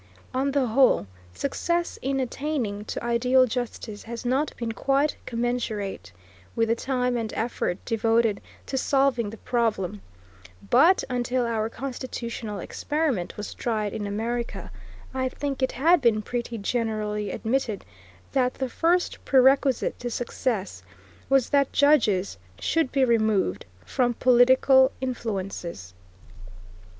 On the whole, success in attaining to ideal justice has not been quite commensurate with the time and effort devoted to solving the problem, but, until our constitutional experiment was tried in America, I think it had been pretty generally admitted that the first prerequisite to success was that judges should be removed from political influences.